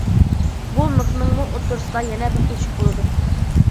بۇ مىخنىڭمۇ ئوتتۇرىسىدا يەنە بىر تۆشۈك بولىدۇ.